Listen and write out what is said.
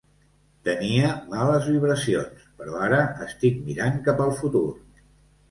Tenia males vibracions, però ara estic mirant cap al futur.